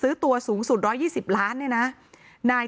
และการแสดงสมบัติของแคนดิเดตนายกนะครับ